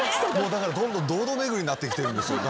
だからどんどん堂々巡りになってきてるんですよ。